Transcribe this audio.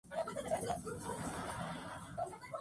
En los siguientes meses se erigió la capilla.